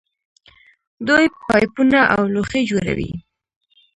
دوی پایپونه او لوښي جوړوي.